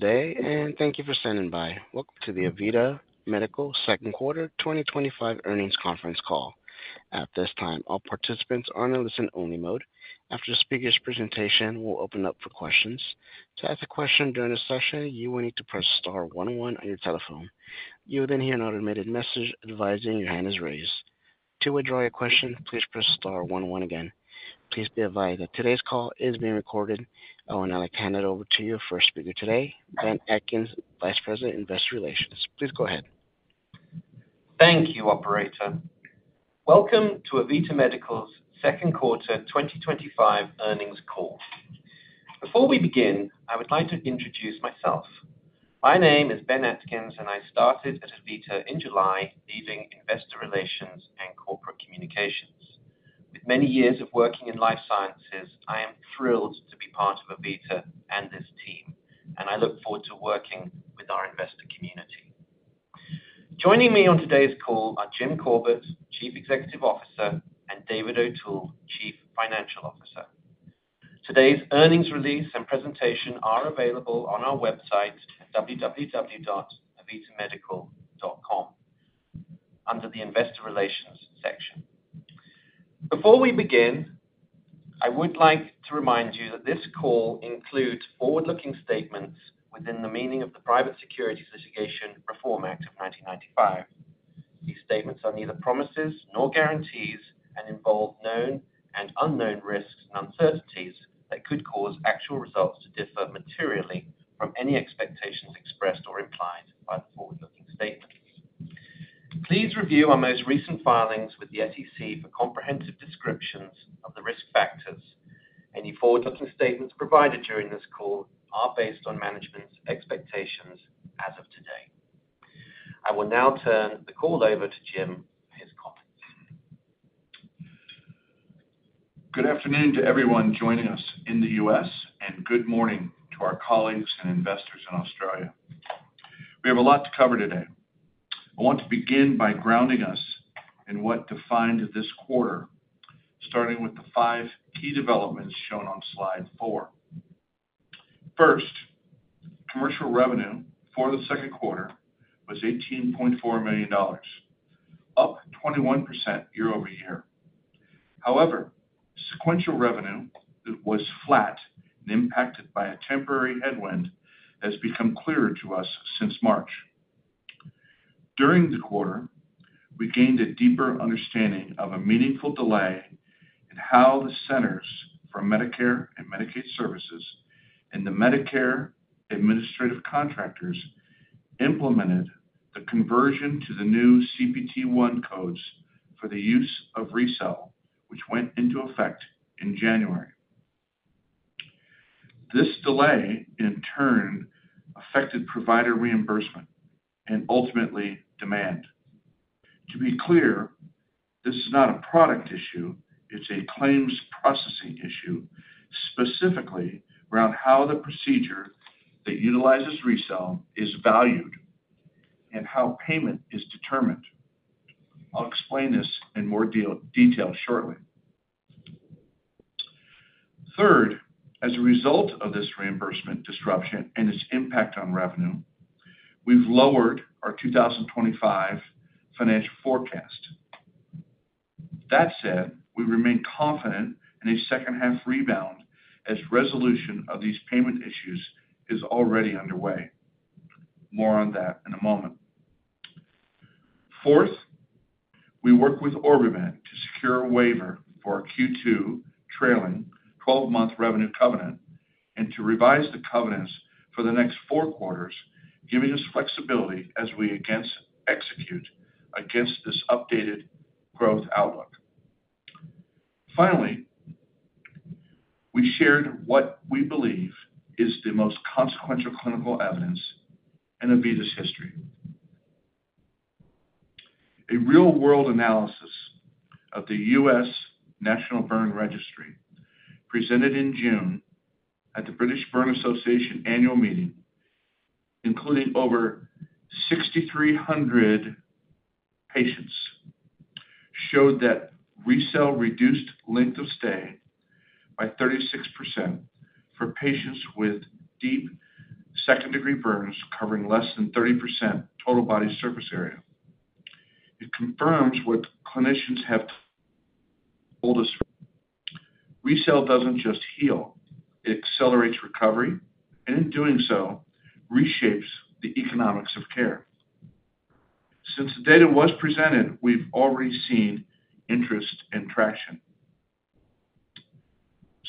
Today, and thank you for standing by. Welcome to the AVITA Medical Second Quarter 2025 Earnings Conference Call. At this time, all participants are in a listen-only mode. After the speaker's presentation, we'll open it up for questions. To ask a question during this session, you will need to press star one one on your telephone. You will then hear an automated message advising your hand is raised. To withdraw your question, please press star one-one again. Please be advised that today's call is being recorded. I will now hand it over to your first speaker today, Ben Atkins, Vice President, Investor Relations. Please go ahead. Thank you, operator. Welcome to AVITA Medical's Second Quarter 2025 Earnings Call. Before we begin, I would like to introduce myself. My name is Ben Atkins, and I started at AVITA in July, leading Investor Relations and Corporate Communications. With many years of working in life sciences, I am thrilled to be part of AVITA and this team, and I look forward to working with our investor community. Joining me on today's call are Jim Corbett, Chief Executive Officer, and David O'Toole, Chief Financial Officer. Today's earnings release and presentation are available on our website at www.avitamedical.com under the Investor Relations section. Before we begin, I would like to remind you that this call includes forward-looking statements within the meaning of the Private Securities Litigation Reform Act of 1995. These statements are neither promises nor guarantees and involve known and unknown risks and uncertainties that could cause actual results to differ materially from any expectations expressed or implied by the forward-looking statements. Please review our most recent filings with the SEC for comprehensive descriptions of the risk factors. Any forward-looking statements provided during this call are based on management's expectations as of today. I will now turn the call over to Jim. Good afternoon to everyone joining us in the U.S., and good morning to our colleagues and investors in Australia. We have a lot to cover today. I want to begin by grounding us in what defined this quarter, starting with the five key developments shown on slide four. First, commercial revenue for the second quarter was $18.4 million, up 21% year over year. However, sequential revenue was flat and impacted by a temporary headwind that has become clearer to us since March. During the quarter, we gained a deeper understanding of a meaningful delay in how the Centers for Medicare & Medicaid Services and the Medicare Administrative Contractors implemented the conversion to the new Category I CPT codes for the use of RECELL, which went into effect in January. This delay, in turn, affected provider reimbursement and ultimately demand. To be clear, this is not a product issue; it's a claims processing issue, specifically around how the procedure that utilizes RECELL is valued and how payment is determined. I'll explain this in more detail shortly. Third, as a result of this reimbursement disruption and its impact on revenue, we've lowered our 2025 financial forecast. That said, we remain confident in a second-half rebound as resolution of these payment issues is already underway. More on that in a moment. Fourth, we worked with OrbiMed to secure a waiver for our Q2 trailing 12-month revenue covenant and to revise the covenants for the next four quarters, giving us flexibility as we execute against this updated growth outlook. Finally, we shared what we believe is the most consequential clinical evidence in AVITA Medical's history. A real-world analysis of the U.S. National Burn Registry, presented in June at the British Burn Association annual meeting, including over 6,300 patients, showed that RECELL reduced length of stay by 36% for patients with deep second-degree burns covering less than 30% total body surface area. It confirms what clinicians have told us: RECELL doesn't just heal; it accelerates recovery, and in doing so, reshapes the economics of care. Since the data was presented, we've already seen interest and traction.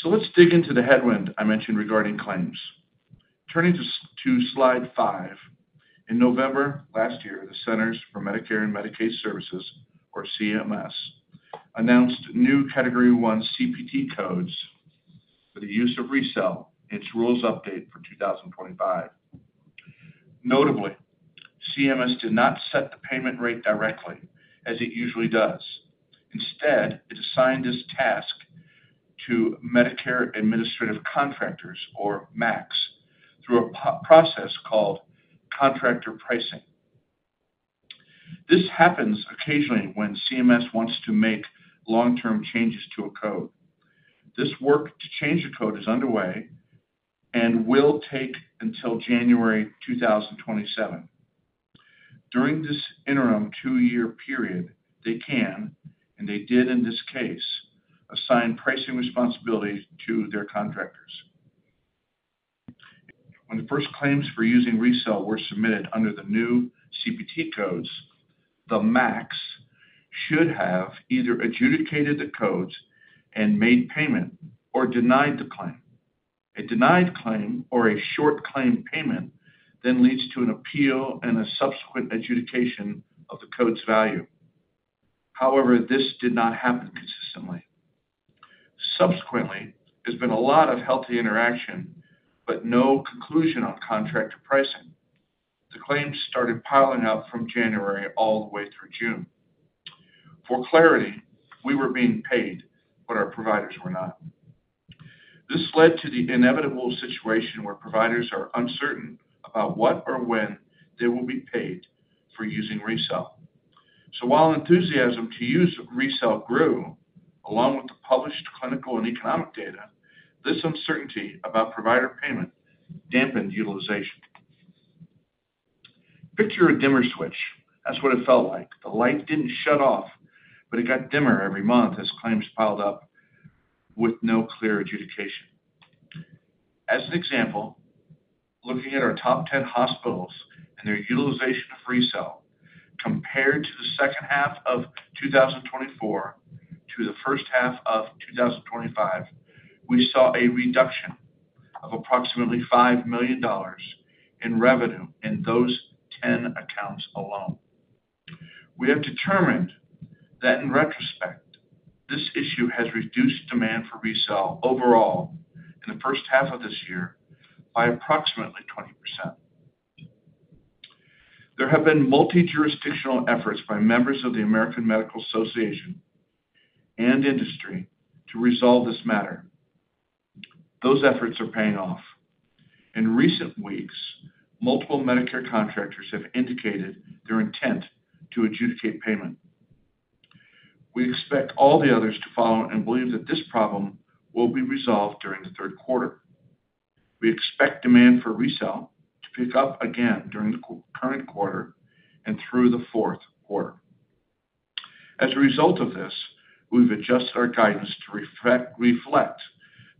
Let's dig into the headwind I mentioned regarding claims. Turning to slide five, in November last year, the Centers for Medicare & Medicaid Services, or CMS, announced new Category I CPT codes for the use of RECELL in its rules update for 2025. Notably, CMS did not set the payment rate directly as it usually does. Instead, it assigned this task to Medicare Administrative Contractors, or MACs, through a process called contractor pricing. This happens occasionally when CMS wants to make long-term changes to a code. This work to change the code is underway and will take until January 2027. During this interim two-year period, they can, and they did in this case, assign pricing responsibilities to their contractors. When the first claims for using RECELL were submitted under the new CPT codes, the MACs should have either adjudicated the codes and made payment or denied the claim. A denied claim or a short claim payment then leads to an appeal and a subsequent adjudication of the code's value. However, this did not happen consistently. Subsequently, there's been a lot of healthy interaction, but no conclusion on contractor pricing. The claims started piling up from January all the way through June. For clarity, we were being paid, but our providers were not. This led to the inevitable situation where providers are uncertain about what or when they will be paid for using RECELL. While enthusiasm to use RECELL grew, along with the published clinical and economic data, this uncertainty about provider payment dampened utilization. Picture a dimmer switch. That's what it felt like. The light didn't shut off, but it got dimmer every month as claims piled up with no clear adjudication. As an example, looking at our top 10 hospitals and their utilization of RECELL compared to the second half of 2024 to the first half of 2025, we saw a reduction of approximately $5 million in revenue in those 10 accounts alone. We have determined that in retrospect, this issue has reduced demand for RECELL overall in the first half of this year by approximately 20%. There have been multi-jurisdictional efforts by members of the American Medical Association and industry to resolve this matter. Those efforts are paying off. In recent weeks, multiple Medicare contractors have indicated their intent to adjudicate payment. We expect all the others to follow and believe that this problem will be resolved during the third quarter. We expect demand for RECELL to pick up again during the current quarter and through the fourth quarter. As a result of this, we've adjusted our guidance to reflect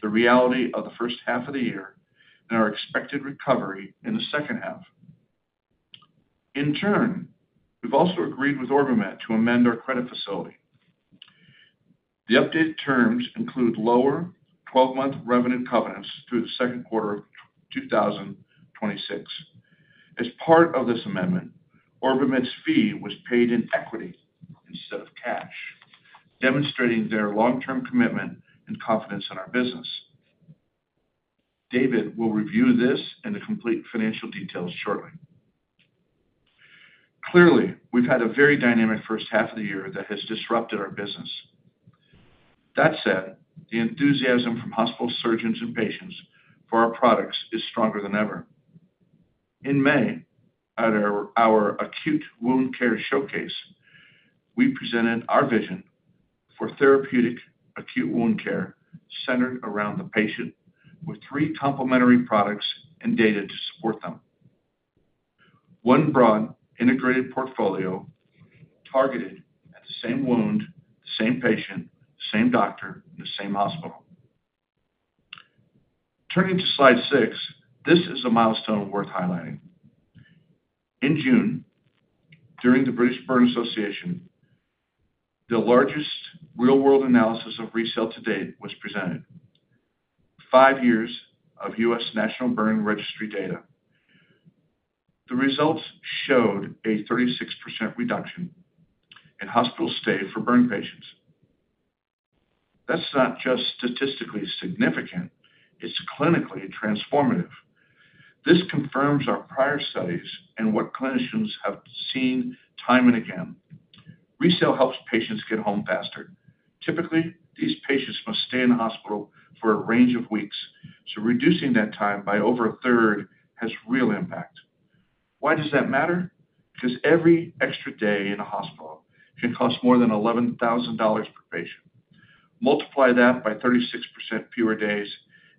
the reality of the first half of the year and our expected recovery in the second half. In turn, we've also agreed with OrbiMed to amend our credit facility. The updated terms include lower 12-month revenue covenants through the second quarter of 2026. As part of this amendment, OrbiMed's fee was paid in equity instead of cash, demonstrating their long-term commitment and confidence in our business. David will review this and the complete financial details shortly. Clearly, we've had a very dynamic first half of the year that has disrupted our business. That said, the enthusiasm from hospital surgeons and patients for our products is stronger than ever. In May, at our Acute Wound Care Showcase, we presented our vision for therapeutic acute wound care centered around the patient, with three complementary products and data to support them. One broad integrated portfolio targeted at the same wound, the same patient, the same doctor, and the same hospital. Turning to slide six, this is a milestone worth highlighting. In June, during the British Burn Association, the largest real-world analysis of RECELL to date was presented. Five years of U.S. National Burn Registry data. The results showed a 36% reduction in hospital stay for burn patients. That's not just statistically significant, it's clinically transformative. This confirms our prior studies and what clinicians have seen time and again. RECELL helps patients get home faster. Typically, these patients must stay in the hospital for a range of weeks, so reducing that time by over 1/3 has real impact. Why does that matter? Because every extra day in a hospital can cost more than $11,000 per patient. Multiply that by 36% fewer days,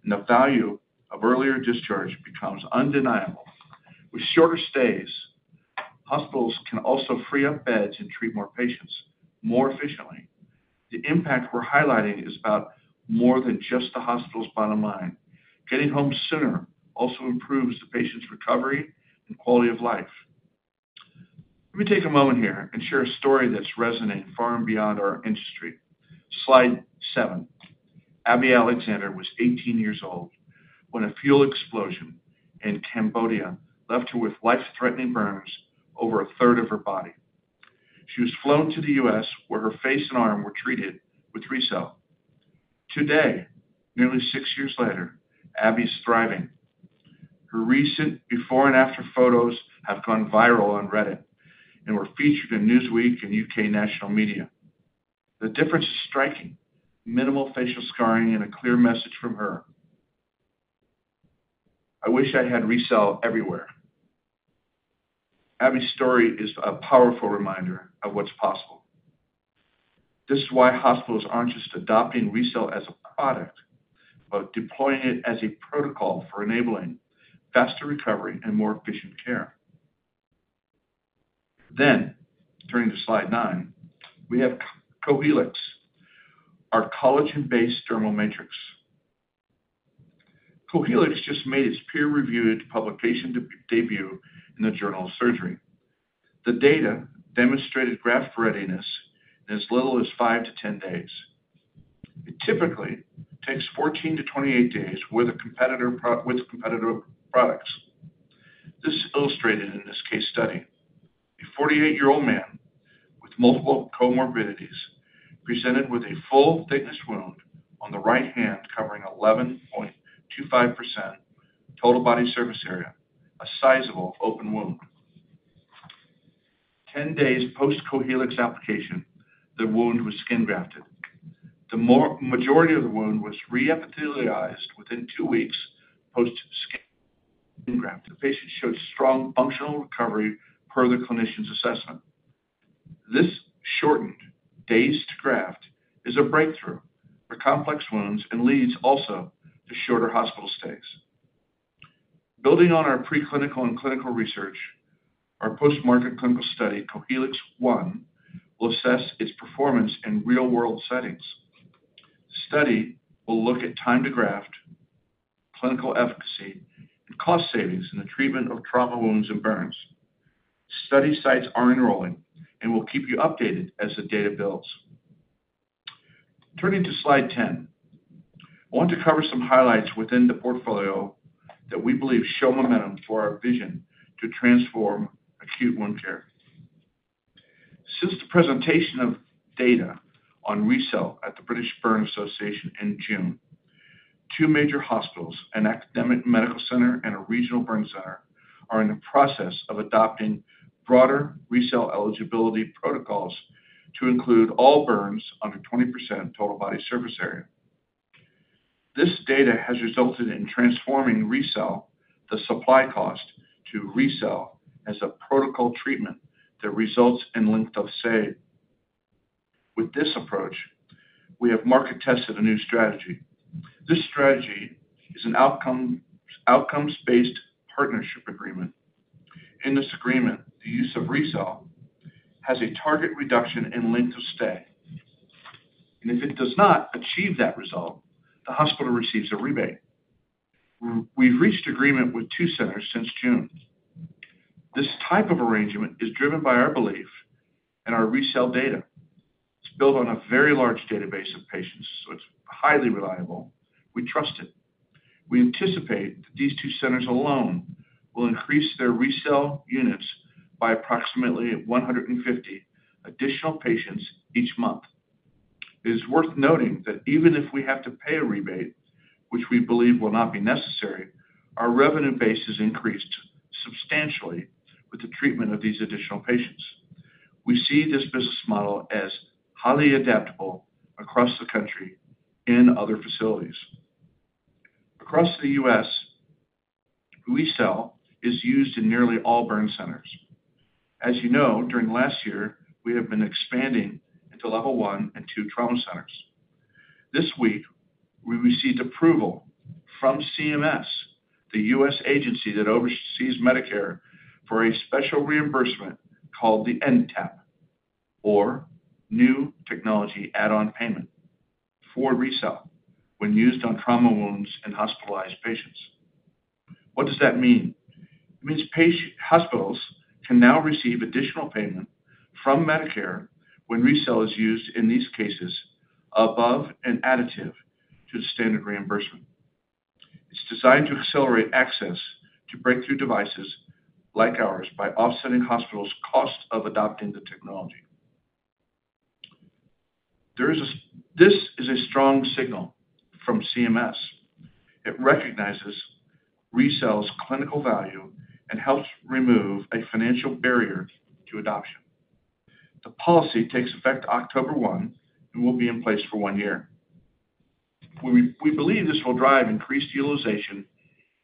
and the value of earlier discharge becomes undeniable. With shorter stays, hospitals can also free up beds and treat more patients more efficiently. The impact we're highlighting is about more than just the hospital's bottom line. Getting home sooner also improves the patient's recovery and quality of life. Let me take a moment here and share a story that's resonating far and beyond our industry. Slide seven. Abby Alexander was 18 years old when a fuel explosion in Cambodia left her with life-threatening burns over 1/3 of her body. She was flown to the U.S. where her face and arm were treated with RECELL. Today, nearly six years later, Abby's thriving. Her recent before-and-after photos have gone viral on Reddit and were featured in Newsweek and U.K. national media. The difference is striking: minimal facial scarring and a clear message from her. I wish I had RECELL everywhere. Abby's story is a powerful reminder of what's possible. This is why hospitals aren't just adopting RECELL as a product, but deploying it as a protocol for enabling faster recovery and more efficient care. During slide nine, we have Cohealyx, our collagen-based dermal matrix. Cohealyx just made its peer-reviewed publication debut in the Journal of Surgery. The data demonstrated graft readiness in as little as 5-10 days. It typically takes 14-28 days with the competitive products. This is illustrated in this case study. A 48-year-old man with multiple comorbidities presented with a full-thickness wound on the right hand, covering 11.25% total body surface area, a sizable open wound. Ten days post-Cohealyx application, the wound was skin grafted. The majority of the wound was re-epithelialized within two weeks post-skin graft. The patient showed strong functional recovery per the clinician's assessment. This shortened days to graft is a breakthrough for complex wounds and leads also to shorter hospital stays. Building on our preclinical and clinical research, our post-market clinical study, Cohealyx I, will assess its performance in real-world settings. The study will look at time to graft, clinical efficacy, and cost savings in the treatment of trauma wounds and burns. Study sites are enrolling and will keep you updated as the data builds. Turning to slide 10, I want to cover some highlights within the portfolio that we believe show momentum for our vision to transform acute wound care. Since the presentation of data on RECELL at the British Burn Association in June, two major hospitals, an academic medical center and a regional burn center, are in the process of adopting broader RECELL eligibility protocols to include all burns under 20% total body surface area. This data has resulted in transforming RECELL, the supply cost, to RECELL as a protocol treatment that results in length of stay. With this approach, we have market-tested a new strategy. This strategy is an outcomes-based partnership agreement. In this agreement, the use of RECELL has a target reduction in length of stay. If it does not achieve that result, the hospital receives a rebate. We've reached agreement with two centers since June. This type of arrangement is driven by our belief and our RECELL data. It's built on a very large database of patients, so it's highly reliable. We trust it. We anticipate that these two centers alone will increase their RECELL units by approximately 150 additional patients each month. It is worth noting that even if we have to pay a rebate, which we believe will not be necessary, our revenue base has increased substantially with the treatment of these additional patients. We see this business model as highly adaptable across the country in other facilities. Across the U.S., RECELL is used in nearly all burn centers. As you know, during last year, we have been expanding into Level I and II trauma centers. This week, we received approval from CMS, the U.S. agency that oversees Medicare, for a special reimbursement called the NTAP for RECELL when used on trauma wounds and hospitalized patients. What does that mean? It means hospitals can now receive additional payment from Medicare when RECELL is used in these cases, above and additive to standard reimbursement. It is designed to accelerate access to breakthrough devices like ours by offsetting hospitals' cost of adopting the technology. This is a strong signal from CMS. It recognizes RECELL's clinical value and helps remove a financial barrier to adoption. The policy takes effect October 1 and will be in place for one year. We believe this will drive increased utilization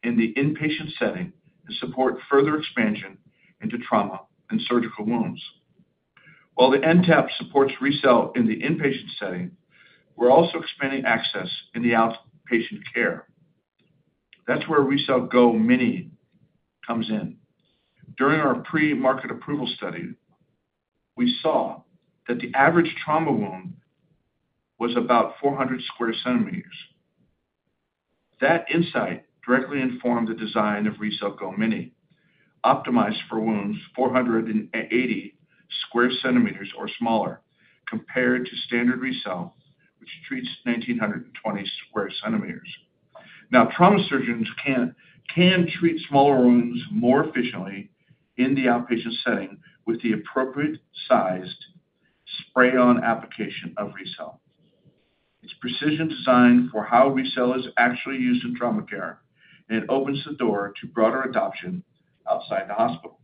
in the inpatient setting and support further expansion into trauma and surgical wounds. While the NTAP supports RECELL in the inpatient setting, we're also expanding access in the outpatient care. That's where RECELL GO mini comes in. During our pre-market approval study, we saw that the average trauma wound was about 400 sq cm. That insight directly informed the design of RECELL GO mini, optimized for wounds 480 sq cm or smaller compared to standard RECELL, which treats 1,920 sq cm. Now, trauma surgeons can treat smaller wounds more efficiently in the outpatient setting with the appropriate sized crayon application of RECELL. It's precision design for how RECELL is actually used in trauma care, and it opens the door to broader adoption outside the hospital.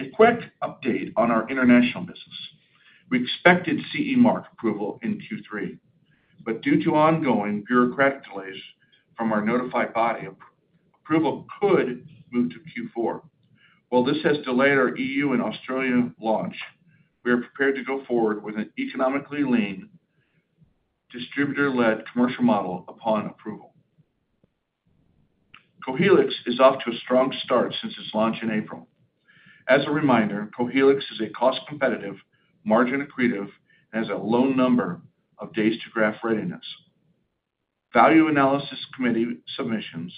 A quick update on our international business. We expected CE Mark approval in Q3, but due to ongoing bureaucratic delays from our notified body, approval could move to Q4. While this has delayed our EU and Australia launch, we are prepared to go forward with an economically lean distributor-led commercial model upon approval. Cohealyx is off to a strong start since its launch in April. As a reminder, Cohealyx is cost-competitive, margin accretive, and has a low number of days to graft readiness. Value analysis committee submissions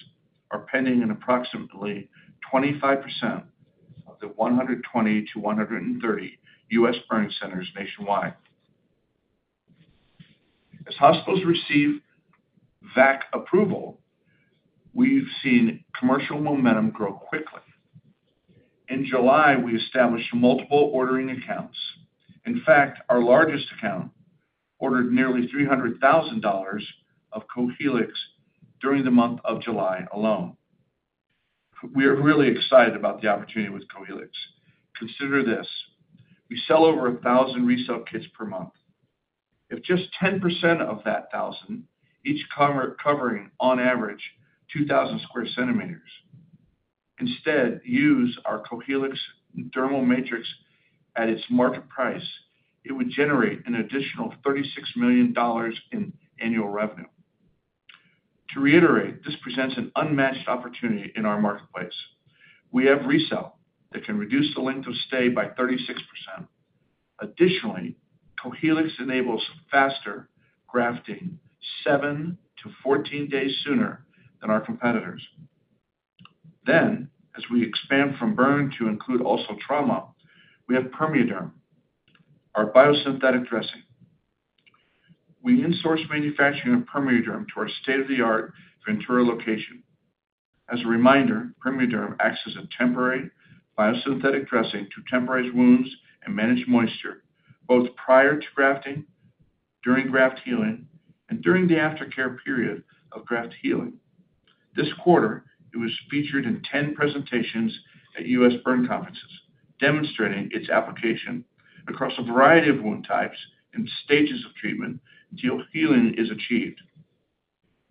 are pending in approximately 25% of the 120-130 U.S. burn centers nationwide. As hospitals receive VAC approval, we've seen commercial momentum grow quickly. In July, we established multiple ordering accounts. In fact, our largest account ordered nearly $300,000 of Cohealyx during the month of July alone. We are really excited about the opportunity with Cohealyx. Consider this: we sell over 1,000 RECELL kits per month. If just 10% of that 1,000, each covering on average 2,000 sq cm, instead use our Cohealyx dermal matrix at its market price, it would generate an additional $36 million in annual revenue. To reiterate, this presents an unmatched opportunity in our marketplace. We have RECELL that can reduce the length of stay by 36%. Additionally, Cohealyx enables faster grafting, 7-14 days sooner than our competitors. As we expand from burn to include also trauma, we have PermeaDerm, our biosynthetic dressing. We insource manufacturing of PermeaDerm to our state-of-the-art Ventura location. As a reminder, PermeaDerm acts as a temporary biosynthetic dressing to temporize wounds and manage moisture, both prior to grafting, during graft healing, and during the after-care period of graft healing. This quarter, it was featured in 10 presentations at U.S. burn conferences, demonstrating its application across a variety of wound types and stages of treatment until healing is achieved.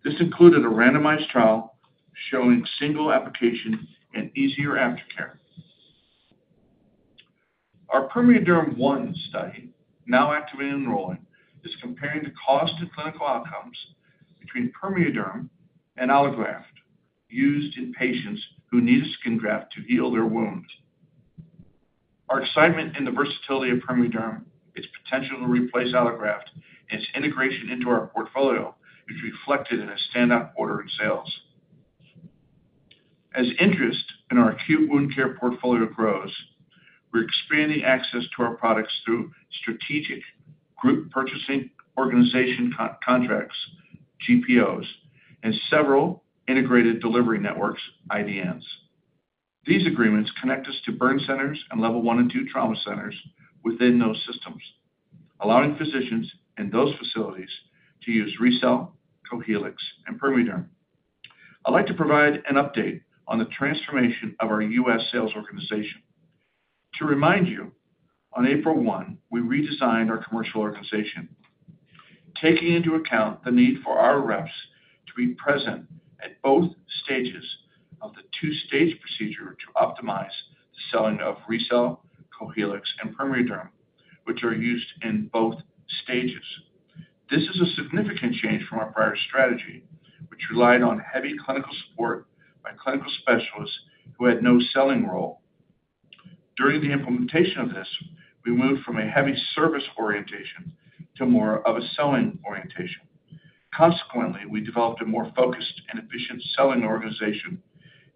This included a randomized trial showing single application and easier aftercare. Our PermeaDerm I study, now actively enrolling, is comparing the cost and clinical outcomes between PermeaDerm and allograft used in patients who need a skin graft to heal their wounds. Our excitement in the versatility of PermeaDerm, its potential to replace allograft, and its integration into our portfolio is reflected in a standout order of sales. As interest in our acute wound care portfolio grows, we're expanding access to our products through strategic group purchasing organization contracts, GPOs, and several integrated delivery networks, IDNs. These agreements connect us to burn centers and level I and II trauma centers within those systems, allowing physicians in those facilities to use RECELL, Cohealyx, and PermeaDerm. I'd like to provide an update on the transformation of our U.S. sales organization. To remind you, on April 1, we redesigned our commercial organization, taking into account the need for our reps to be present at both stages of the two-stage procedure to optimize the selling of RECELL, Cohealyx, and PermeaDerm, which are used in both stages. This is a significant change from our prior strategy, which relied on heavy clinical support by clinical specialists who had no selling role. During the implementation of this, we moved from a heavy service orientation to more of a selling orientation. Consequently, we developed a more focused and efficient selling organization,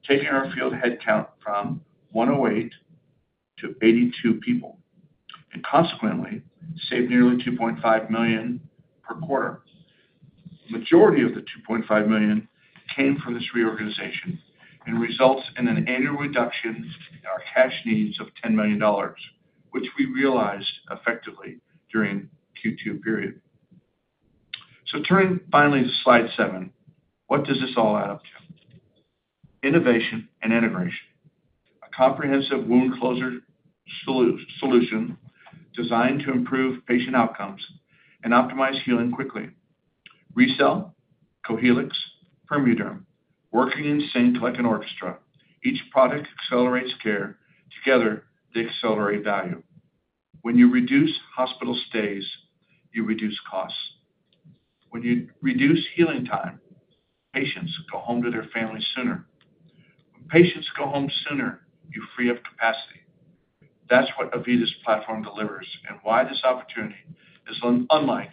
taking our field headcount from 108 to 82 people, and consequently saved nearly $2.5 million per quarter. The majority of the $2.5 million came from this reorganization and results in an annual reduction in our cash needs of $10 million, which we realized effectively during the Q2 period. Turning finally to slide seven, what does this all add up to? Innovation and integration. A comprehensive wound closure solution designed to improve patient outcomes and optimize healing quickly. RECELL, Cohealyx, PermeaDerm, working in sync like an orchestra. Each product accelerates care. Together, they accelerate value. When you reduce hospital stays, you reduce costs. When you reduce healing time, patients go home to their families sooner. Patients go home sooner, you free up capacity. That is what AVITA Medical's platform delivers and why this opportunity is unlike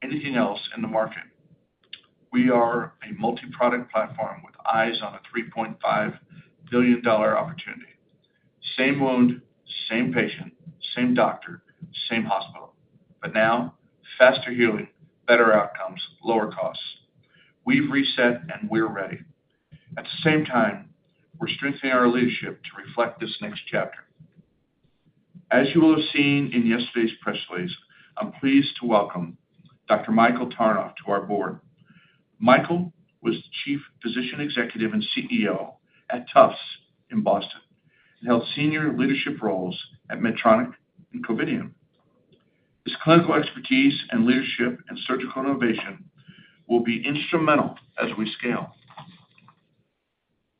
anything else in the market. We are a multi-product platform with eyes on a $3.5 billion opportunity. Same wound, same patient, same doctor, same hospital. Now, faster healing, better outcomes, lower costs. We have reset, and we are ready. At the same time, we are strengthening our leadership to reflect this next chapter. As you will have seen in yesterday's press release, I am pleased to welcome Dr. Michael Tarnoff to our board. Michael was the Chief Physician Executive and CEO at Tufts in Boston and held senior leadership roles at Medtronic and Covidien. His clinical expertise and leadership in surgical innovation will be instrumental as we scale.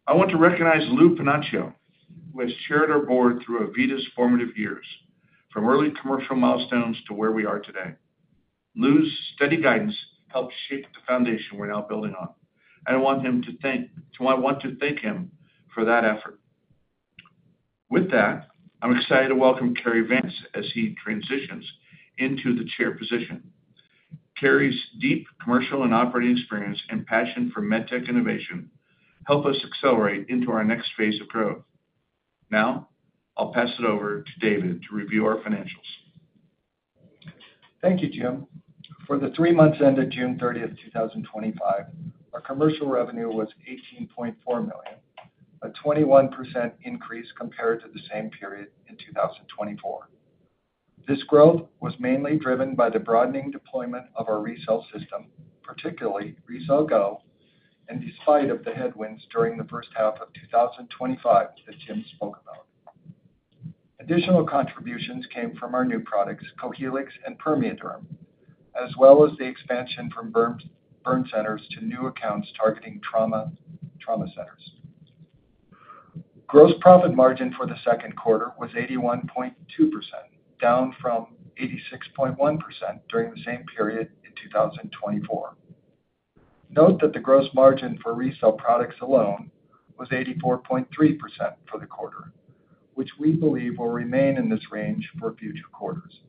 I want to recognize Lou Panaccio, who has chaired our board through AVITA Medical's formative years, from early commercial milestones to where we are today. Lou's steady guidance helped shape the foundation we are now building on. I want to thank him for that effort. With that, I am excited to welcome Cary Vance as he transitions into the chair position. Cary's deep commercial and operating experience and passion for medtech innovation help us accelerate into our next phase of growth. Now, I'll pass it over to David to review our financials. Thank you, Jim. For the three months ended June 30th, 2025, our commercial revenue was $18.4 million, a 21% increase compared to the same period in 2024. This growth was mainly driven by the broadening deployment of our RECELL system, particularly RECELL GO, and despite the headwinds during the first half of 2025 that Jim spoke about. Additional contributions came from our new products, Cohealyx and PermeaDerm, as well as the expansion from burn centers to new accounts targeting trauma centers. Gross profit margin for the second quarter was 81.2%, down from 86.1% during the same period in 2024. Note that the gross margin for RECELL products alone was 84.3% for the quarter, which we believe will remain in this range for future quarters.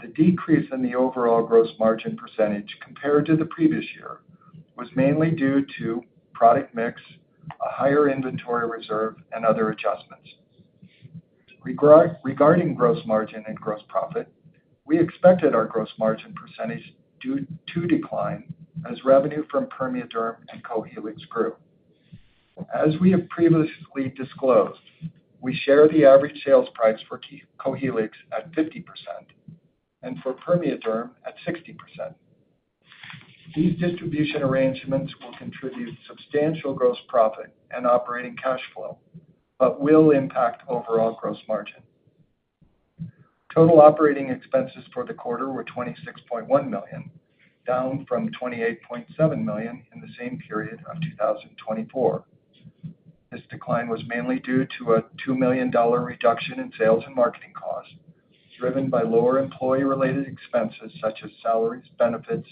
The decrease in the overall gross margin percentage compared to the previous year was mainly due to product mix, a higher inventory reserve, and other adjustments. Regarding gross margin and gross profit, we expected our gross margin percentage to decline as revenue from PermeaDerm and Cohealyx grew. As we have previously disclosed, we share the average sales price for Cohealyx at 50% and for PermeaDerm at 60%. These distribution arrangements will contribute substantial gross profit and operating cash flow, but will impact overall gross margin. Total operating expenses for the quarter were $26.1 million, down from $28.7 million in the same period of 2024. This decline was mainly due to a $2 million reduction in sales and marketing costs, driven by lower employee-related expenses such as salaries, benefits,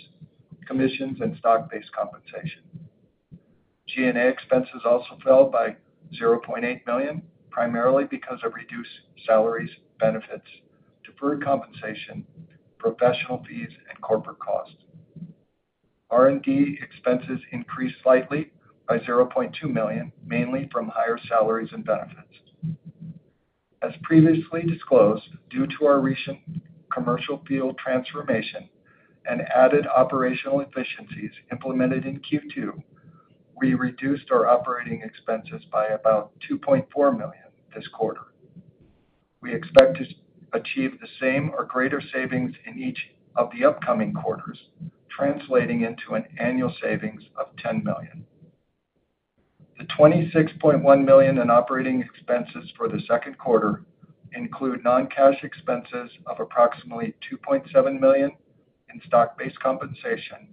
commissions, and stock-based compensation. G&A expenses also fell by $0.8 million, primarily because of reduced salaries, benefits, deferred compensation, professional fees, and corporate costs. R&D expenses increased slightly by $0.2 million, mainly from higher salaries and benefits. As previously disclosed, due to our recent commercial field transformation and added operational efficiencies implemented in Q2, we reduced our operating expenses by about $2.4 million this quarter. We expect to achieve the same or greater savings in each of the upcoming quarters, translating into an annual savings of $10 million. The $26.1 million in operating expenses for the second quarter include non-cash expenses of approximately $2.7 million in stock-based compensation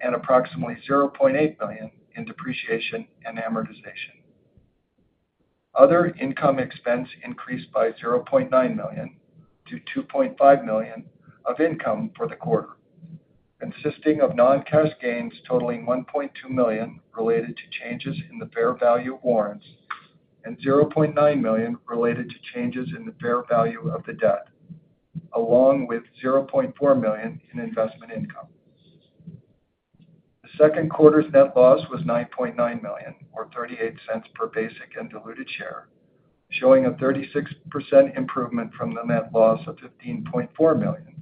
and approximately $0.8 million in depreciation and amortization. Other income expense increased by $0.9 million to $2.5 million of income for the quarter, consisting of non-cash gains totaling $1.2 million related to changes in the fair value of warrants and $0.9 million related to changes in the fair value of the debt, along with $0.4 million in investment income. The second quarter's net loss was $9.9 million, or $0.38 per basic and diluted share, showing a 36% improvement from the net loss of $15.4 million,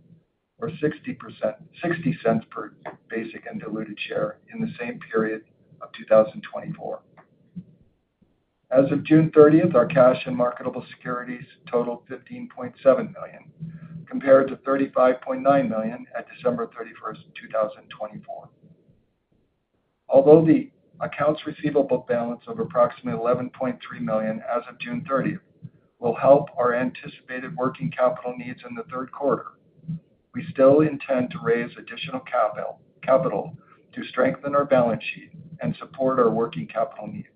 or $0.60 per basic and diluted share in the same period of 2024. As of June 30th, our cash and marketable securities totaled $15.7 million, compared to $35.9 million at December 31st, 2024. Although the accounts receivable balance of approximately $11.3 million as of June 30th will help our anticipated working capital needs in the third quarter, we still intend to raise additional capital to strengthen our balance sheet and support our working capital needs.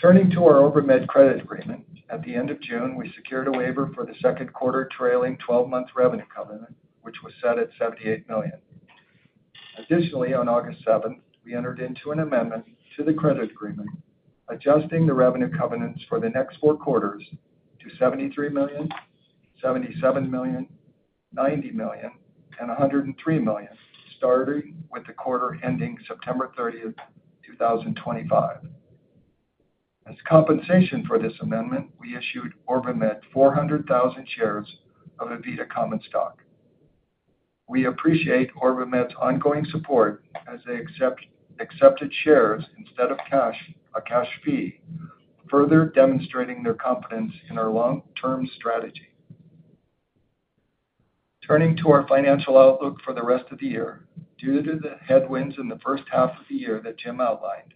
Turning to our OrbiMed credit agreement, at the end of June, we secured a waiver for the second quarter trailing 12-month revenue covenant, which was set at $78 million. Additionally, on August 7th, we entered into an amendment to the credit agreement, adjusting the revenue covenants for the next four quarters to $73 million, $77 million, $90 million, and $103 million, starting with the quarter ending September 30th, 2025. As compensation for this amendment, we issued OrbiMed 400,000 shares of AVITA Medical Common Stock. We appreciate OrbiMed's ongoing support as they accepted shares instead of a cash fee, further demonstrating their confidence in our long-term strategy. Turning to our financial outlook for the rest of the year, due to the headwinds in the first half of the year that Jim outlined,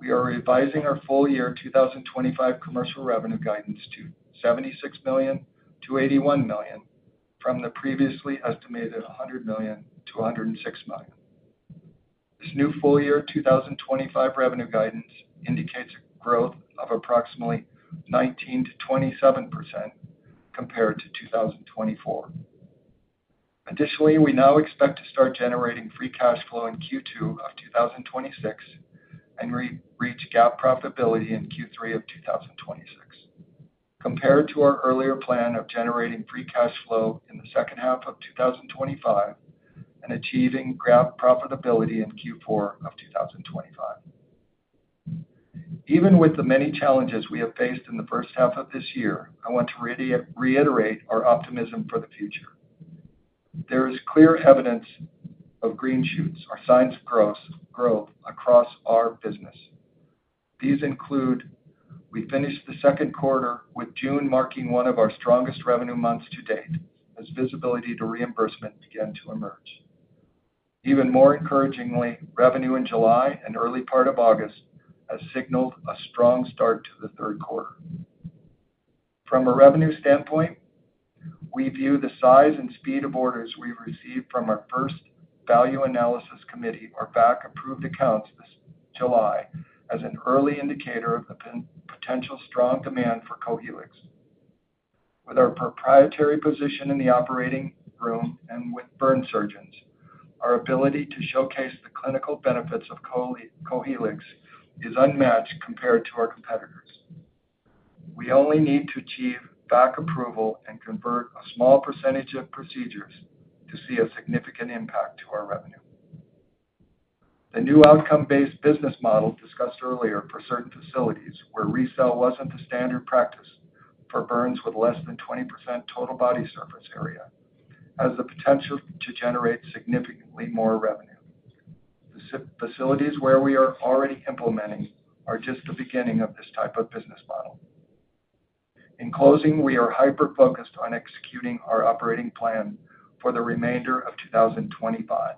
we are revising our full-year 2025 commercial revenue guidance to $76 million-$81 million from the previously estimated $100 million-$106 million. This new full-year 2025 revenue guidance indicates a growth of approximately 19%-27% compared to 2024. Additionally, we now expect to start generating free cash flow in Q2 of 2026 and reach GAAP profitability in Q3 of 2026, compared to our earlier plan of generating free cash flow in the second half of 2025 and achieving GAAP profitability in Q4 of 2025. Even with the many challenges we have faced in the first half of this year, I want to reiterate our optimism for the future. There is clear evidence of green shoots, our signs of growth across our business. These include we finished the second quarter with June marking one of our strongest revenue months to date, as visibility to reimbursement began to emerge. Even more encouragingly, revenue in July and early part of August has signaled a strong start to the third quarter. From a revenue standpoint, we view the size and speed of orders we received from our first value analysis committee, or VAC, approved accounts this July as an early indicator of the potential strong demand for Cohealyx. With our proprietary position in the operating room and with burn surgeons, our ability to showcase the clinical benefits of Cohealyx is unmatched compared to our competitors. We only need to achieve VAC approval and convert a small percentage of procedures to see a significant impact to our revenue. The new outcomes-based business model discussed earlier for certain facilities where RECELL wasn't the standard practice for burns with less than 20% total body surface area has the potential to generate significantly more revenue. The facilities where we are already implementing are just the beginning of this type of business model. In closing, we are hyper-focused on executing our operating plan for the remainder of 2025.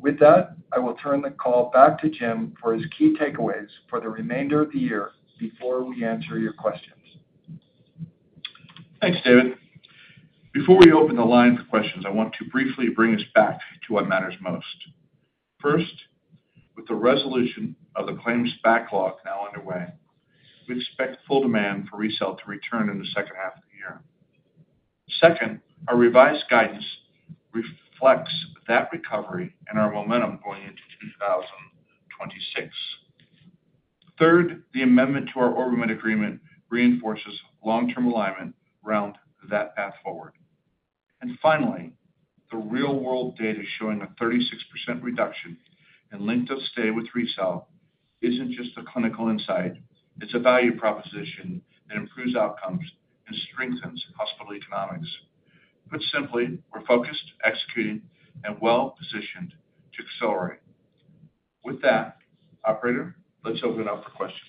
With that, I will turn the call back to Jim for his key takeaways for the remainder of the year before we answer your questions. Thanks, David. Before we open the line for questions, I want to briefly bring us back to what matters most. First, with the resolution of the claims backlog now underway, we expect full demand for RECELL to return in the second half of the year. Second, our revised guidance reflects that recovery and our momentum going into 2026. Third, the amendment to our OrbiMed agreement reinforces long-term alignment around that path forward. Finally, the real-world data showing a 36% reduction in length of stay with RECELL isn't just a clinical insight, it's a value proposition that improves outcomes and strengthens hospital economics. Put simply, we're focused, executing, and well-positioned to accelerate. With that, operator, let's open it up for questions.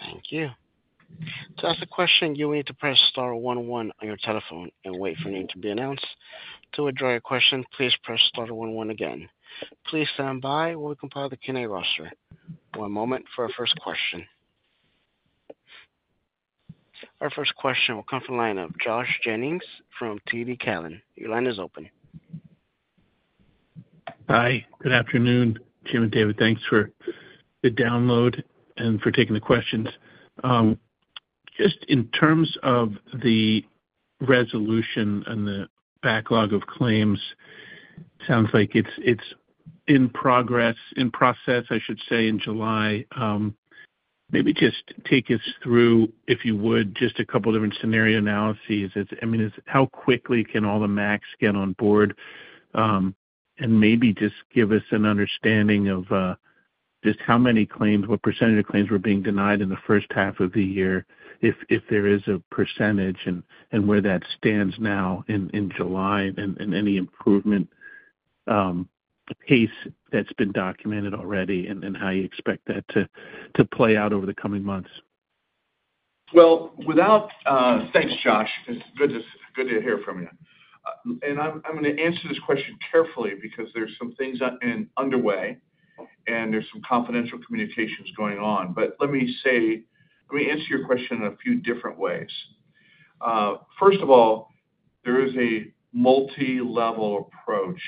Thank you. To ask a question, you will need to press star one one on your telephone and wait for your name to be announced. To withdraw your question, please press star one one again. Please stand by while we compile the Q&A roster. One moment for our first question. Our first question will come from the line of Josh Jennings from TD Cowen. Your line is open. Hi. Good afternoon, Jim and David. Thanks for the download and for taking the questions. In terms of the resolution and the backlog of claims, it sounds like it's in process in July. Maybe just take us through, if you would, a couple of different scenario analyses. I mean, how quickly can all the MACs get on board? Maybe just give us an understanding of how many claims, what percentage of claims were being denied in the first half of the year, if there is a percentage, and where that stands now in July, and any improvement pace that's been documented already, and how you expect that to play out over the coming months. Thank you, Josh. It's good to hear from you. I'm going to answer this question carefully because there's some things underway, and there's some confidential communications going on. Let me answer your question in a few different ways. First of all, there is a multi-level approach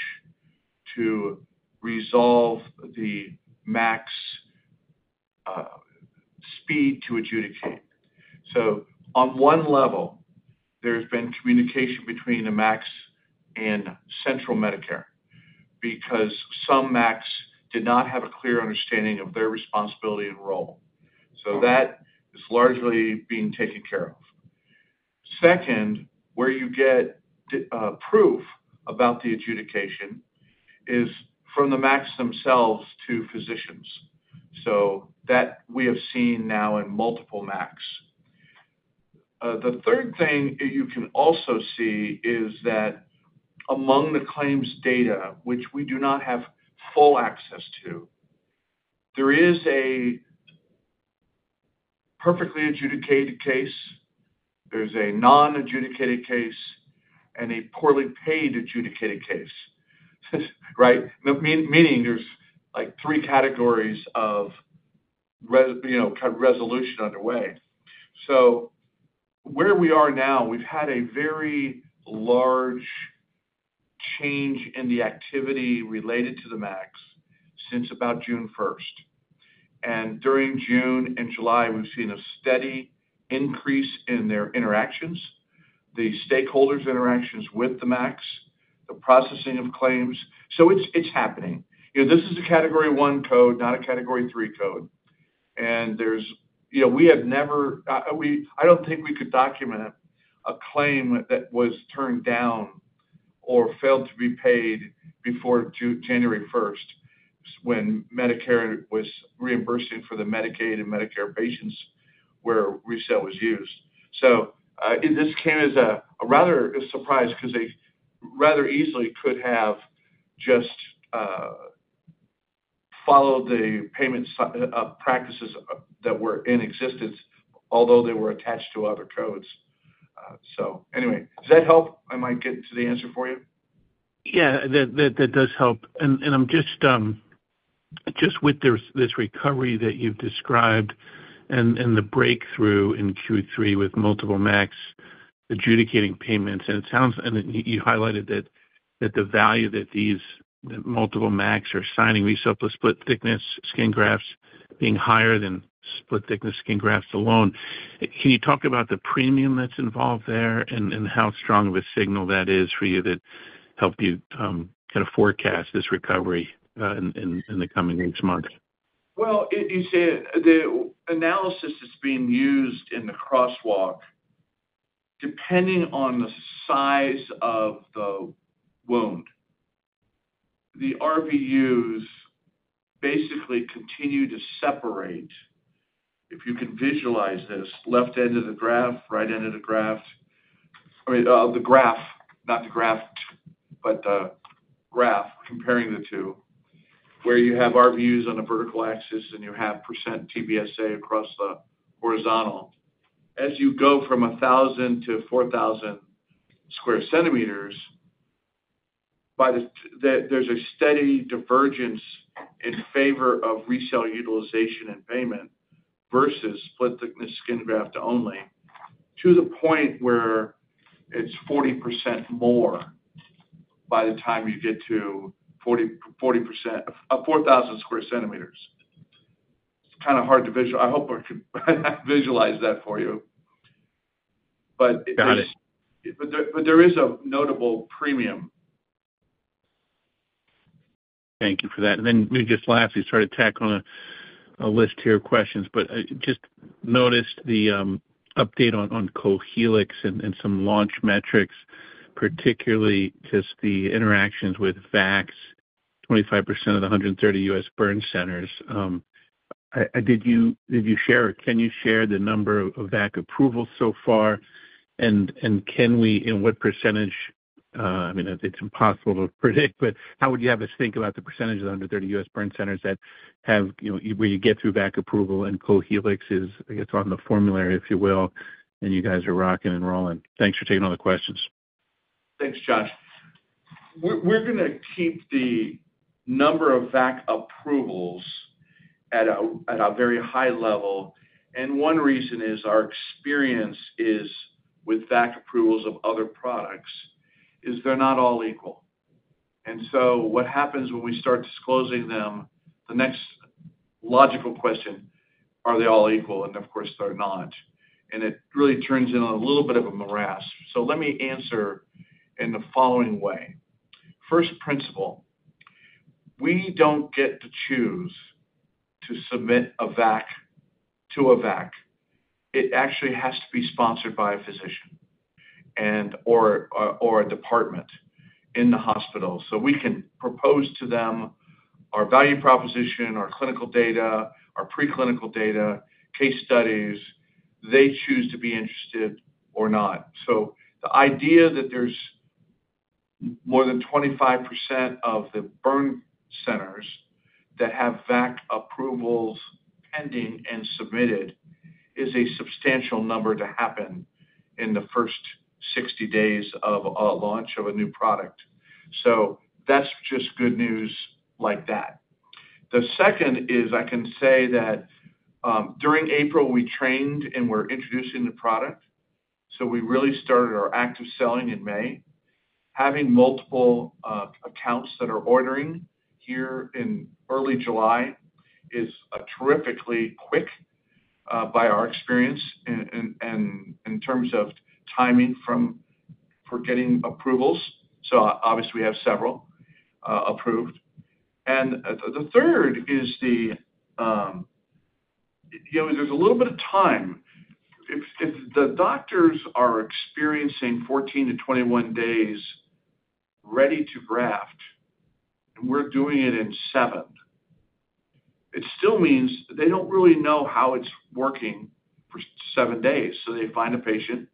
to resolve the MACs' speed to adjudicate. On one level, there's been communication between the MACs and Central Medicare because some MACs did not have a clear understanding of their responsibility and role. That is largely being taken care of. Second, where you get proof about the adjudication is from the MACs themselves to physicians. We have seen that now in multiple MACs. The third thing you can also see is that among the claims data, which we do not have full access to, there is a perfectly adjudicated case, a non-adjudicated case, and a poorly paid adjudicated case, right? Meaning there's three categories of resolution underway. Where we are now, we've had a very large change in the activity related to the MACs since about June 1. During June and July, we've seen a steady increase in their interactions, the stakeholders' interactions with the MACs, the processing of claims. It's happening. This is a Category I CPT code, not a Category III code. We had never, I don't think we could document a claim that was turned down or failed to be paid before January 1 when Medicare was reimbursing for the Medicaid and Medicare patients where RECELL was used. This came as a rather surprise because they rather easily could have just followed the payment practices that were in existence, although they were attached to other codes. Anyway, does that help? Am I getting to the answer for you? Yeah, that does help. With this recovery that you've described and the breakthrough in Q3 with multiple MACs adjudicating payments, you highlighted that the value that these multiple MACs are assigning RECELL-plus split thickness skin grafts is higher than split thickness skin grafts alone. Can you talk about the premium that's involved there and how strong of a signal that is for you that helps you kind of forecast this recovery in the coming weeks and months? You said the analysis is being used in the crosswalk. Depending on the size of the wound, the RVUs basically continue to separate. If you can visualize this, left end of the graph, right end of the graph, I mean, the graph, not the graft, but the graph comparing the two, where you have RVUs on a vertical axis and you have percent TBSA across the horizontal. As you go from 1,000-4,000 sq cm, there's a steady divergence in favor of RECELL utilization and payment versus split thickness skin graft only, to the point where it's 40% more by the time you get to 40,000 sq cm. It's kind of hard to visualize. I hope I could visualize that for you. Got it. There is a notable premium. Thank you for that. Lastly, I just try to tack on a list here of questions, but I just noticed the update on Cohealyx and some launch metrics, particularly just the interactions with VACs, 25% of the 130 U.S. burn centers. Did you share, or can you share the number of VAC approvals so far? In what percentage, I mean, it's impossible to predict, but how would you have us think about the percentage of the 130 U.S. burn centers that have, you know, where you get through VAC approval and Cohealyx is, I guess, on the formulary, if you will, and you guys are rocking and rolling. Thanks for taking all the questions. Thanks, Josh. We're going to keep the number of VAC approvals at a very high level. One reason is our experience with VAC approvals of other products is they're not all equal. What happens when we start disclosing them? The next logical question, are they all equal? Of course, they're not. It really turns into a little bit of a morass. Let me answer in the following way. First principle, we don't get to choose to submit a VAC to a VAC. It actually has to be sponsored by a physician and/or a department in the hospital. We can propose to them our value proposition, our clinical data, our preclinical data, case studies. They choose to be interested or not. The idea that there's more than 25% of the burn centers that have VAC approvals pending and submitted is a substantial number to happen in the first 60 days of a launch of a new product. That's just good news like that. The second is I can say that, during April, we trained and were introducing the product. We really started our active selling in May. Having multiple accounts that are ordering here in early July is terrifically quick, by our experience in terms of timing for getting approvals. Obviously, we have several approved. The third is there's a little bit of time. If the doctors are experiencing 14-21 days ready to graft, and we're doing it in seven, it still means they don't really know how it's working for seven days. They find a patient,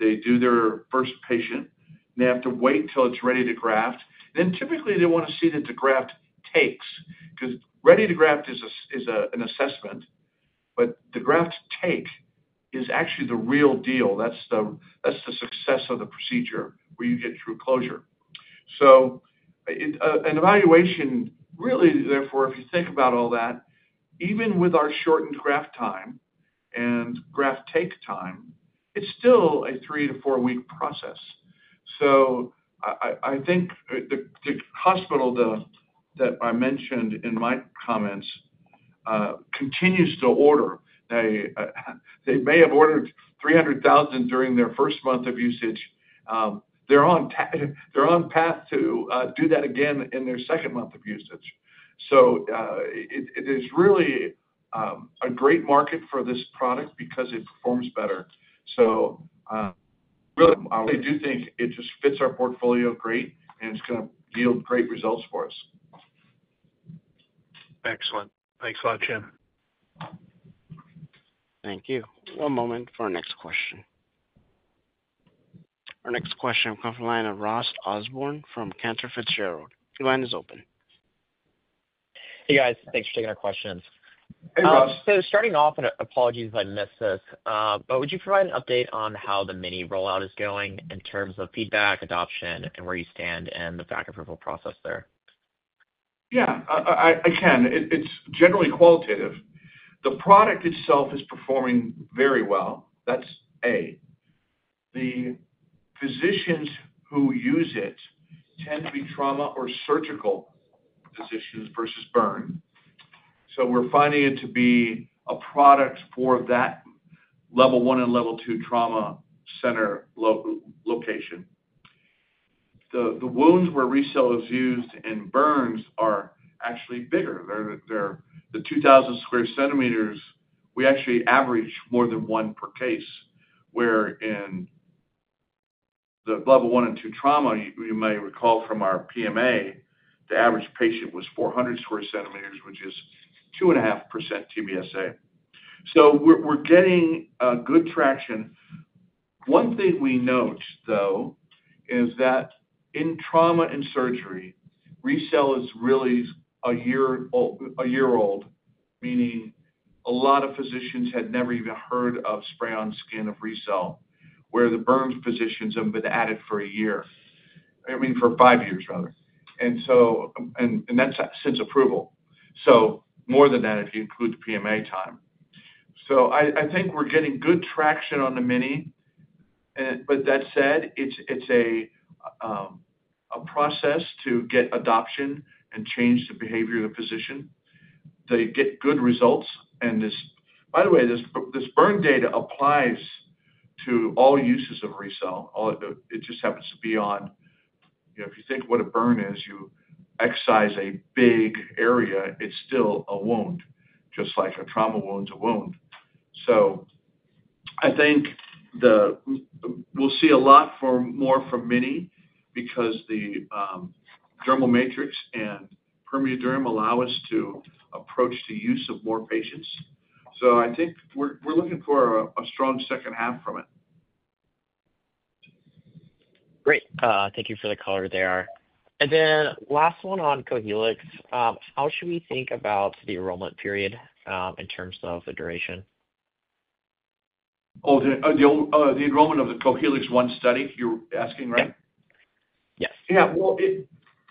they do their first patient, and they have to wait till it's ready to graft. Typically, they want to see that the graft takes because ready to graft is an assessment, but the graft take is actually the real deal. That's the success of the procedure where you get true closure. An evaluation really, therefore, if you think about all that, even with our shortened graft time and graft take time, it's still a 3-4 week process. I think the hospital that I mentioned in my comments continues to order. They may have ordered $300,000 during their first month of usage. They're on path to do that again in their second month of usage. It is really a great market for this product because it performs better. I really do think it just fits our portfolio great, and it's going to yield great results for us. Excellent. Thanks a lot, Jim. Thank you. One moment for our next question. Our next question will come from the line of Ross Osborn from Cantor Fitzgerald. Your line is open. Hey, guys. Thanks for taking our questions. Hey, Ross. Apologies if I missed this, but would you provide an update on how the mini rollout is going in terms of feedback, adoption, and where you stand in the back approval process there? Yeah, I can. It's generally qualitative. The product itself is performing very well. That's A. The physicians who use it tend to be trauma or surgical physicians versus burn. We're finding it to be a product for that level one and level two trauma center location. The wounds where RECELL is used in burns are actually bigger. They're the 2,000 sq cm. We actually average more than one per case, where in the level one and two trauma, you may recall from our PMA, the average patient was 400 sq cm, which is 2.5% TBSA. We're getting good traction. One thing we note, though, is that in trauma and surgery, RECELL is really a year old, meaning a lot of physicians had never even heard of spray-on skin of RECELL, where the burns physicians have been at it for a year, I mean, for five years, rather, and that's since approval. More than that if you include the PMA time. I think we're getting good traction on the mini. That said, it's a process to get adoption and change the behavior of the physician. They get good results. By the way, this burn data applies to all uses of RECELL. It just happens to be on, you know, if you think of what a burn is, you excise a big area, it's still a wound, just like a trauma wound's a wound. I think we'll see a lot more from mini because the dermal matrix and PermeaDerm allow us to approach the use of more patients. I think we're looking for a strong second half from it. Great. Thank you for the color there. Last one on Cohealyx. How should we think about the enrollment period in terms of the duration? Oh, the enrollment of the Cohealyx I study, you're asking, right? Yes.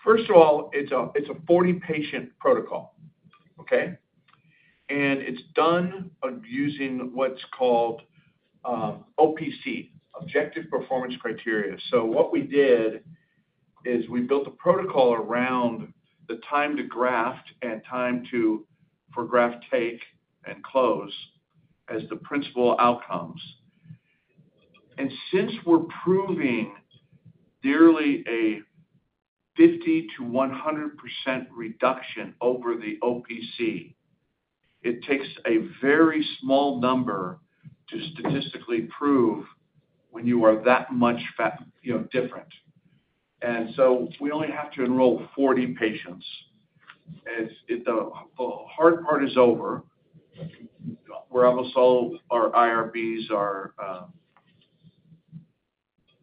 First of all, it's a 40-patient protocol, okay? It's done using what's called OPC, Objective Performance Criteria. What we did is we built a protocol around the time to graft and time for graft take and close as the principal outcomes. Since we're proving nearly a 50%-100% reduction over the OPC, it takes a very small number to statistically prove when you are that much, you know, different. We only have to enroll 40 patients. The hard part is over. Almost all our IRBs are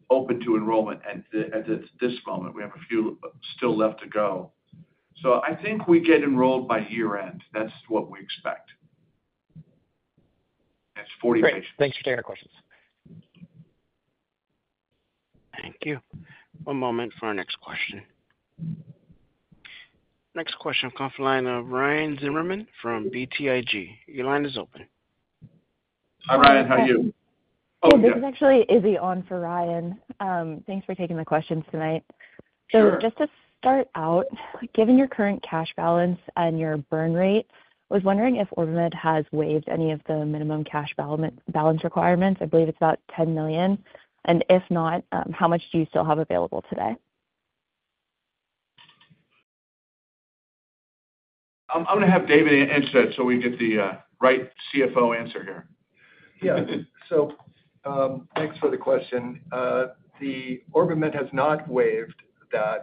open to enrollment at this moment. We have a few still left to go. I think we get enrolled by year-end. That's what we expect. That's 40 patients. Thanks for taking our questions. Thank you. One moment for our next question. Next question will come from the line of Ryan Zimmerman from BTIG. Your line is open. Hi, Ryan. How are you? This is actually Izzy on for Ryan. Thanks for taking the questions tonight. Just to start out, given your current cash balance and your burn rate, I was wondering if OrbiMed has waived any of the minimum cash balance requirements. I believe it's about $10 million. If not, how much do you still have available today? I'm going to have David answer it so we can get the right CFO answer here. Thanks for the question. OrbiMed has not waived that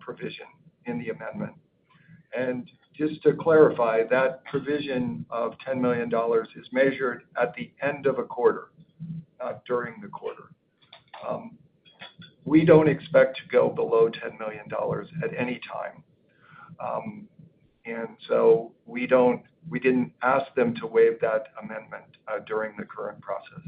provision in the amendment. Just to clarify, that provision of $10 million is measured at the end of a quarter, not during the quarter. We don't expect to go below $10 million at any time, so we didn't ask them to waive that amendment during the current process.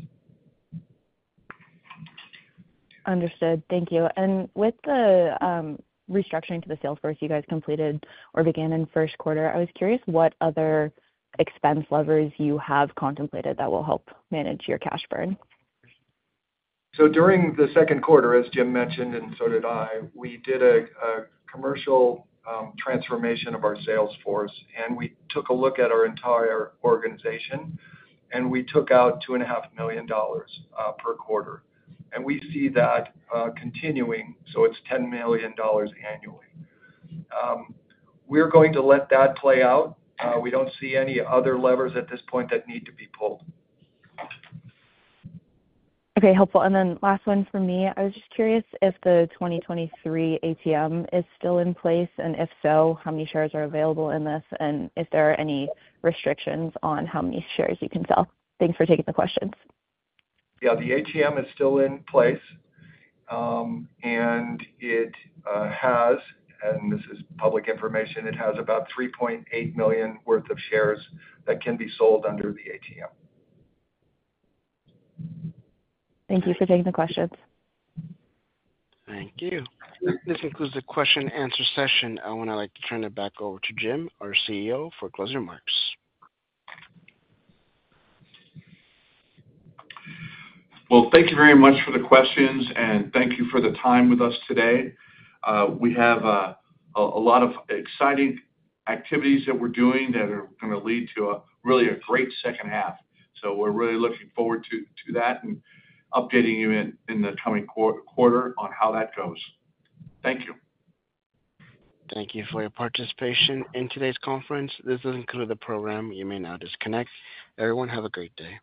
Thank you. With the restructuring to the sales force you guys completed or began in the first quarter, I was curious what other expense levers you have contemplated that will help manage your cash burn. During the second quarter, as Jim mentioned, and so did I, we did a commercial transformation of our sales force, and we took a look at our entire organization, and we took out $2.5 million per quarter. We see that continuing, so it's $10 million annually. We're going to let that play out. We don't see any other levers at this point that need to be pulled. Okay. Helpful. Last one from me. I was just curious if the 2023 ATM is still in place, and if so, how many shares are available in this, and if there are any restrictions on how many shares you can sell. Thanks for taking the questions. Yeah, the ATM is still in place. It has, and this is public information, about $3.8 million worth of shares that can be sold under the ATM. Thank you for taking the questions. Thank you. This concludes the question and answer session. I want to turn it back over to Jim, our CEO, for closing remarks. Thank you very much for the questions, and thank you for the time with us today. We have a lot of exciting activities that we're doing that are going to lead to really a great second half. We're really looking forward to that and updating you in the coming quarter on how that goes. Thank you. Thank you for your participation in today's conference. This does conclude the program. You may now disconnect. Everyone, have a great day.